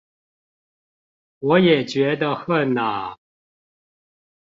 我也覺得恨啊